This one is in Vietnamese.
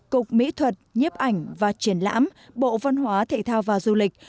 cục mỹ thuật nhiếp ảnh và triển lãm bộ văn hóa thể thao và du lịch